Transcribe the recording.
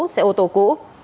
xe ô tô cũ